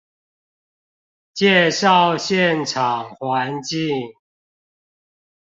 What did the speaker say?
介紹現場環境